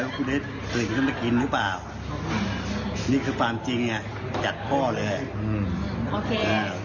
ก็ได้ถ้าไม่มีสีขาวเอาอะไรก็ได้